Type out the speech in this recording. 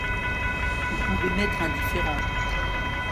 Vous pouvez m’être indifférent…